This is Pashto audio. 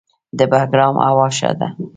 د بګرام هوا ښه ده